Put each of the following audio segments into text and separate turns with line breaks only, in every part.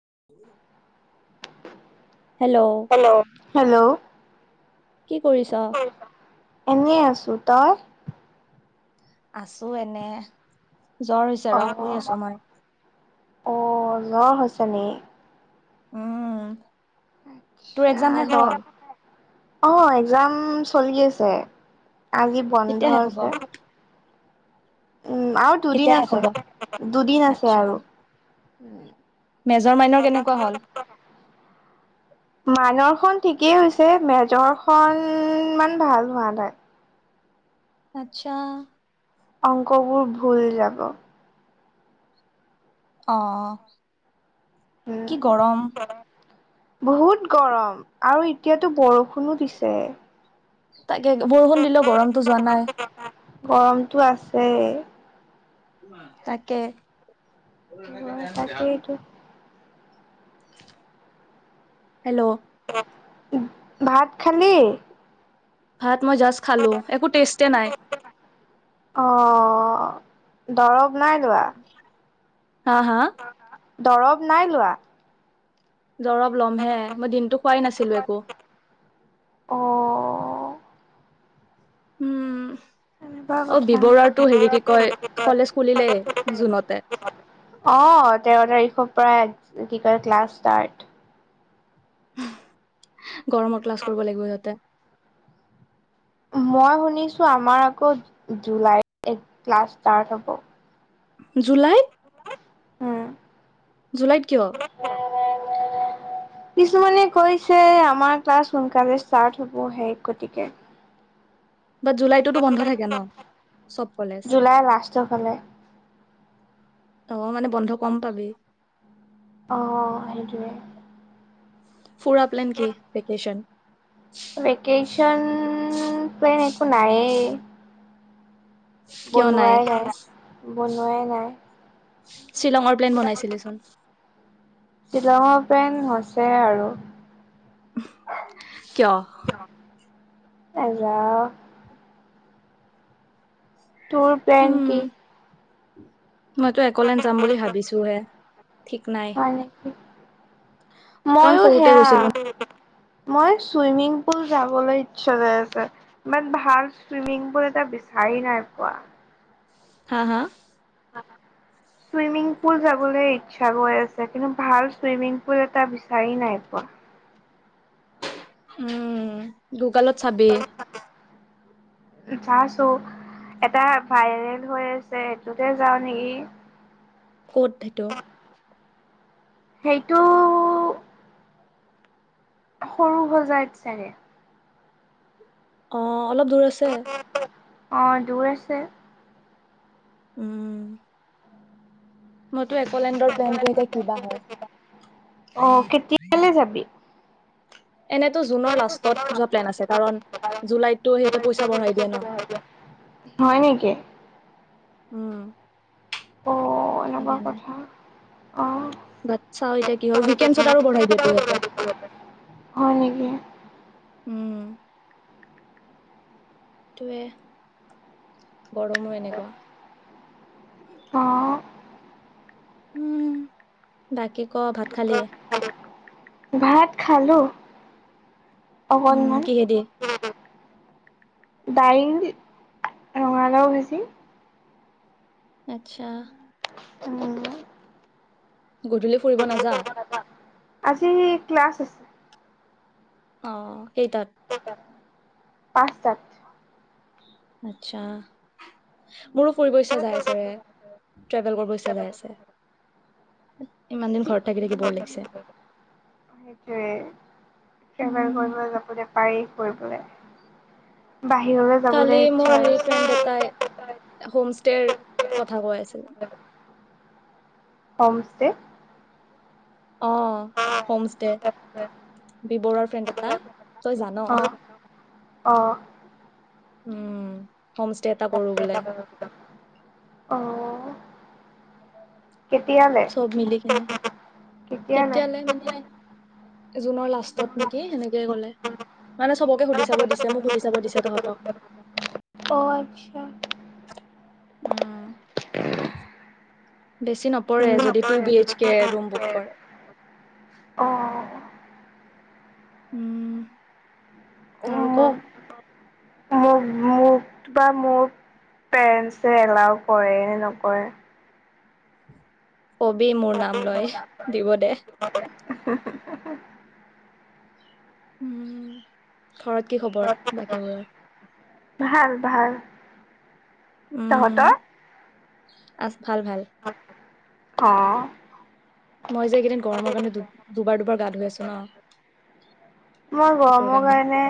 [unintelligible]
Hello, hello
কি কৰিছ?
এনে আছোঁ‌। তই?
আছো এনে। জ্বৰ হৈছে ৰ শুই আছো
অ'
মই
অ' [inaudible]
উম, তোৰ এক্জাম শেষ
আচ্ছা,
হ'ল?
অ' এক্সাম চলি আছে। আজি বন্ধ
কেতিয়া শেষ হব
আছে। উম আৰু
কেতিয়া
দুদিন
শেষ
আছে।
হব?
দুদিন আছে
আচ্ছা
আৰু। উ
মেজৰ মাইনৰ কেনেকুৱা হ'ল?
খন ঠিকেই হৈছে মেজৰখন ইমান ভাল হোৱা নাই।
আচ্ছা,
অংকবোৰ ভুল যাব।
অ কি গৰম
উম বহুত গৰম আৰু এতিয়াতো বৰষুণো দিছে।
তাকে বৰষুণ দিলেও গৰমতটো যোৱা নাই।
গৰমতটো আছে।
তাকে,
ৱে তাকেইটো।
হেল্ল'?
[unintelligible] ভাত খালি?
ভাত মই জাষ্ট খালোঁ। একো টেষ্টে নাই।
অ' দৰৱ নাই লোৱা?
হা - হা?
দৰৱ নাই লোৱা।
দৰৱ ল'মহে । মই দিনটো খোৱাই নাছিলোঁ একো।
অ',
উম
সেনেকুৱা কথা। অ' বি বৰুৱাৰটো হেৰি কি কয় কলেজ খুলিলেই জুনতে । অ' তেৰ' তাৰিখৰ পৰা কি কৰে ক্লাছ ষ্টাৰ্ট।
গৰমৰ ক্লাছ কৰিব লাগিব সিহঁতে।
মই শুনিছোঁ আমাৰ আকৌ জুলাইত ক্লাছ ষ্টাৰ্ট হ'ব।
জুলাইত? জুলাইত কিয়?
কিছুমানে কৈছে আমাৰ ক্লাছ সোনকালে ষ্টাৰ্ট হবহে গতিকে
বাট জুলাইটোতো বন্ধ থাকে ন'? চ'ব কলেজ।
জুলাই লাষ্টৰ ফালে,
অ' মানে বন্ধ কম পাবি।
অ' সেইটোৱে।
ফুৰা প্লেন কি? ভেকেশ্যন?
ভেকেশন প্লেন একো নায়েই। বনোৱাই নাই, বনোৱাই নাই।
উম শ্বিলঙৰ প্লেন বনাইছিলিচোন?
শ্বিলঙৰ প্লেন হৈছে আৰু।
উম্ আ কিয়?
নেযাওঁ। তোৰ প্লেন কি?
উম মইতো এক'লেন যাম বুলি ভাবিছোঁ হে।
হয় নেকি?
কাৰণ
ময়ো
সৰুতে
সেয়া
গৈছিলো
মই চুইমিং পুল যাবলৈ ইচ্ছা গৈ আছে, বাট ভাল চুইমিং পুল এটা বিচাৰি নাই পোৱা।
হা-হা?
চুইমিং পুল যাবলৈ ইচ্ছা গৈ আছে, কিন্তু ভাল চুইমিং পুল এটা বিচাৰি নাই পোৱা।
উম গুগালত চাবি।
চাইছোঁ। এটা ভাইৰেল হৈ আছে, এইটোতে যাওঁ নেকি?
ক'ত সেইটো?
সেইটো সৰুসজাইত চাগে।
অ, অলপ দূৰ আছে।
অঁ দূৰ আছে৷
উম, মোৰতো এক'লেণ্ডৰ প্লেনটো এতিয়া কিবা হয়?
অ কেতিয়ালৈ যাবি
এনেতো জুনৰ লাষ্টত যোৱা প্লেন আছে কাৰণ জুলাইত টো সিহঁতে পইচা বঢ়াই দিয়ে ন?
হয় নেকি
উম,
অ' এনেকুৱা
সেইকাৰণে
কথা৷ অ',
বাট চাওঁ এতিয়া কি হয় উইকেণ্ডছত আৰু বঢ়াই দিয় তো ইহতে৷
হয় নেকি?
উম, টোৱে । গৰমো এনেকুৱা।
অ'
উম, বাকী ক'। ভাত খালি?
ভাত খালোঁ।
উম,
অকণমান।
কিহেদি?
কিহেদি? দাইল, ৰঙালাও ভাজি।
আচ্ছা!
[unintelligible]
গধূলি ফুৰিব নাযা?
আজি ক্লাছ আছে।
অ কেইটাত?
কেইটাত? পাঁচটাত।
আচ্ছা, মোৰো ফুৰিব ইচ্ছা যাই আছে ৰে ট্ৰেভেল কৰিব ইচ্ছা যাই আছে ইমান দিন ঘৰত থাকি থাকি ব'ৰ লাগিছে।
এইবাৰ
উম।
কৰিবলৈ যাবলৈ পাৰি কৰিবলে। বাহিৰলৈ যাবলৈ ইচ্ছা গৈছে। [unintelligible]
হোম ষ্টেৰ কথা কৈ আছে৷
হম ষ্টে?
অ' হোম ষ্টে। বি বৰুৱাৰ ফ্ৰেণ্ড এটাই, তই জান'
অ', অ',
উম, হোম ষ্টে এটা কৰোঁ বোলে।
অ',
চব মিলি কিনে
কেতিয়া লে?
কেতিয়ালে মানে জুনৰ লাষ্টত নেকি সেনেকে কলে মানে চবকে সুধি চাব দিছে মোক সুধি চাব দিছে তহঁতক ৷
অ', আচ্ছা।
উম বেছি নপৰে যদি two B H K room book কৰে ৷
অ',
উম আৰু ক
মোক মোক এনচে এলাও কৰে নে নকৰে!
কবি মোৰ নাম লয় দিব দে উম ঘৰত কি খবৰ বাকীবোৰৰ?
ভাল - ভাল৷
উম
তহঁতৰ
আছ ভাল-ভাল ৷
অ
মই যে এইকেইদিন গৰমৰ কাৰণে দু দুবাৰ - দুবাৰ গা ধুই আছোঁ ন?
মই গৰমৰ কাৰণে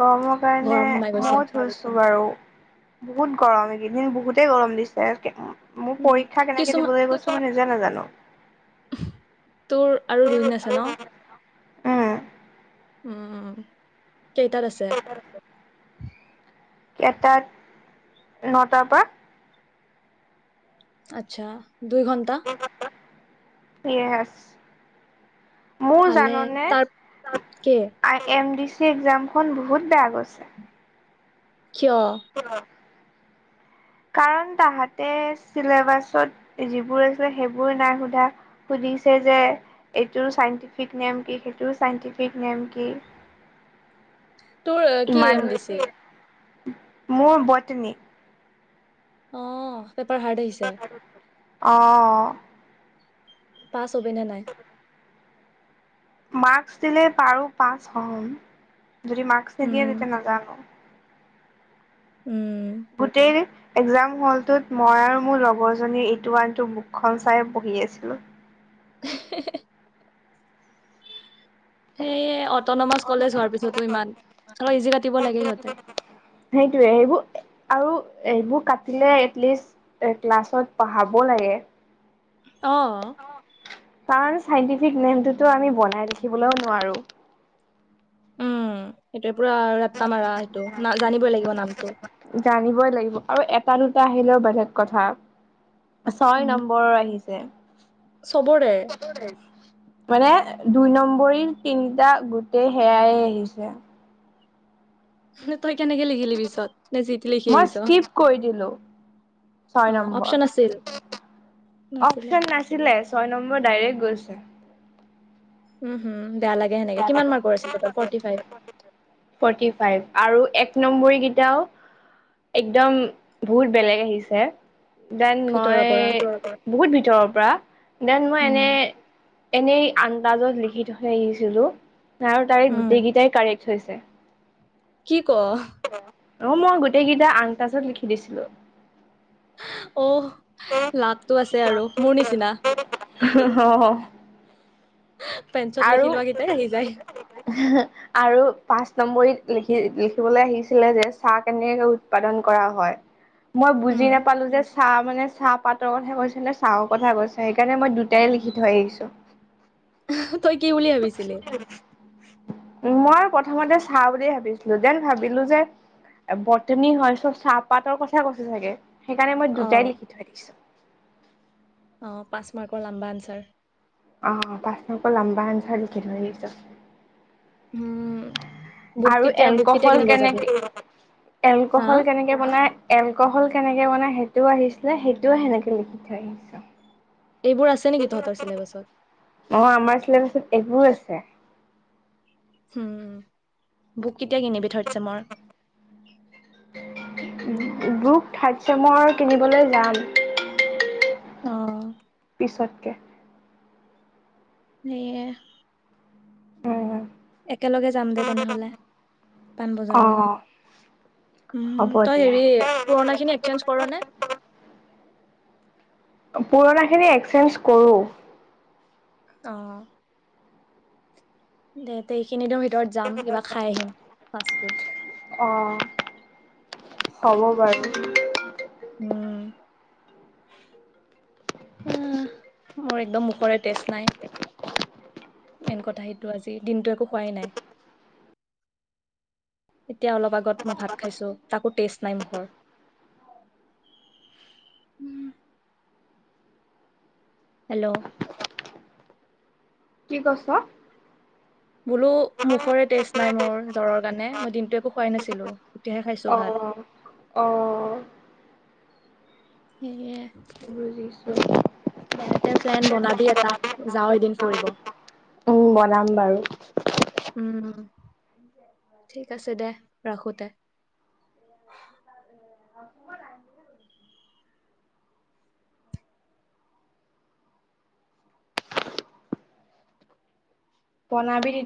গৰমৰ কাৰণে
গৰম সোমাই গৈছে
বহুত হৈছোঁ বাৰু বহুত গৰম এইকেইদিন বহুতেই গৰম দিছে মোৰ
উম,
পৰীক্ষা কেনেকে
কিছুমান
দিবলৈ গৈছোঁ মই নিজে নাজানোঁ ৷
তোৰ আৰু দুদিন আছে ন
উম
উ কেইটাত আছে?
কেটাত নটাৰ পৰা?
আচ্ছা দুই ঘণ্টা?
ইয়েছ৷ মোৰ
ভালে
জাননে
তাৰ কে
আই এম ডি সে একজামখন বহুত বেয়া গৈছে ৷
কিয়?
কাৰণ তাহাঁতে চিলেবাছত যিবোৰ আছিলে সেইবোৰ নাই সোধা সুধিছে যে এইটো চাইণ্টিফিক নেম কি সেইটো চাইণ্টিফিক নেম কি৷
তোৰ কি
ইমান
এম দিছি?
মোৰ বটনী ৷
অ পেপাৰ হাৰ্ড আহিছে ৷
অঁ
পাছ হবিনে নাই?
মাৰ্কচ দিলেই পাৰু পাঁচ হ'ম ৷ যদি মাকচ্‌ নিদিয়ে
উম,
তেতিয়া নাজানো ৷
উম।
বুটেইন [unintelligible] এক্‌জাম হলটোত মই আৰু মোৰ লগৰ জনী ইটো আনটো বুকখন চাই বহি আছিলো৷
হে হে সেইয়ে অটনমাচ কলেজ হোৱাৰ পিছতো ইমান অলপ ইজি কাটিব লাগে সিহঁতে ৷
সেইটোয়ে সেইবোৰ আৰু এইবোৰ কাটিলে এটলিষ্ট ক্লাছত পঢ়াব লাগে ৷
অ
আৰু চাইন্টিফিক নেমটোতো আমি বনাই লেখিবলৈও নোৱাৰো ৷
উম ' সেই ত্ৰিপুৰা আৰু ৰাত্তা মাৰা সেইটো ন জানিবই লাগিব নামটো ৷
জানিবই লাগিব আৰু এটা দুটা আহিলেও বেলেগ কথা, ছয়
উম,
নম্বৰৰ
চবৰে
আহিছে৷ মানে দুই নম্বৰীৰ তিনিটা গোটেই সেয়াই আহিছে ।
[inaudible] লিখিলি পিছত নে যি টি লিখি
মই
আহিছ?
স্কিপ কৰি দিলো ছয়
অ',
নম্বৰ
অপচন আছিল নাছিলে।
অপচন নাছিলে ছয় নম্বৰ ডাইৰেক্ গৈ আছা [unintelligible]
উম ' হম
ফৰ্টি ফাইভ আৰু এক নম্বৰীকেইটাও [unintelligible] একদম বহুত বেলেগ আহিছে । দেন মই
ভিতৰৰ পৰা।
বহুত ভিতৰৰ পৰা দেন মই
উম।
এনে এনেই আন্দাজত লিখি থই আহি জিলো [unintelligible] নাই তাৰে
উম,
গোটেইকেইটাই কাৰেক৷ থৈছে৷
কি ক '
অ মই গোটেইকেইটা আন তাজত লিখি দিছিলো ।
অ'হ, লাবটো আছে আৰু মোৰ নিচিনা ।
অ আৰু
আহি যায়।
হে আৰু পাঁচ নম্বৰীত লিখি লিখিবলৈ আহিছিলে যে চাহ কেনেকৈ উৎপাদন কৰা হয়? মই
উম,
বুজি নাপালো যে চাম মানে চাহ পাতৰ কথা কৈছে নে চাহৰ কথা কৈছে সেইকাৰণে মই দুটাই লিখি থৈ আহিছো।
[inaudible] তই কি উলি ভাবিছিলি?
মই আৰু প্ৰথমতে চাহ বুলিয়ে ভাবিছিলো দেন ভাবিলো যে বটনী হয় চ চাহপাতৰ কথা কৈছে চাগে? সেইকাণে মই
অ',
দুটাই লিখি থৈ আইছো ।
অ ', পাঁচ মাৰ্কৰ লাম্বা আনচাৰ ৷
অ পাঁচ ন ক লম্বা আন চাৰ লিখি থৈ আহিছোঁ।
উম, বুক
আৰু
কেতিয়া বুক কেতিয়া
এলকহল
কিনিব যাবি?
কেনেকে -
হা?
এলকহল কেনেকে বনাই -এলকহল কেনেকে বনাই সেইটোও আহিছিলে সেইটোও সেনেকে লিখি থৈ আহিছো।
এইবোৰ আছে নেকি তহঁতৰ চিলেবাছত?
নহ আমাৰ চিলেবচত এইবোৰ আছে [unintelligible]
উম' বুক কেতিয়া কিনিবি থাৰ্ড ছেমৰ?
ম বু- থাৰ্ড ছেমৰ কিনিবলৈ যাম ৷
অ
ছতকে
সেয় [unintelligible]
উ [unintelligible]
একেলগে যাম দে তেনেহলে ৷
অ
পাণবজাৰত, উম
হ'ব
তই
দিয়া
হেৰি পুৰণাখিনি এক্সেঞ্জ কৰ নে?
পুৰণা খিনি এক্সচেঞ্জ কৰো ৷
অ দে দেখ তিনিদিন ভিতত যাম কিবা খাই আহিম ৷ ফাষ্ট ফুড
অ হ'ব বাৰু।
উমম ম ম মোৰ একদম মুখৰে তেচ নাই৷ মেইন কথা সেইটো আজি দিনটো একো খোৱাই নাই, এতিয়া অলপ আগত মই ভাত খাইছো তাকো টেষ্ট নাই মুখৰ৷ উম, হেল্ল'
কি কৈছ?
বোলো মুখৰে টেষ্ট নাই মোৰ জ্বৰৰ কাৰণে মই দিনটো একো খোৱাই নাছিলো ৷ এতিয়াহে খাইছো ভাত ৷
অ', অ',
এ
বুজিছোঁ।
দেহতে প্লেন বনাবি এটা যাও এদিন ফুৰিব ৷
উ বনাম বাৰু৷
উম ঠিক আছে দে ৰাখোতে ৷
পনাাব দি [unintelligible]